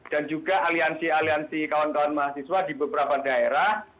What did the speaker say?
dan juga aliansi aliansi kawan kawan mahasiswa di beberapa daerah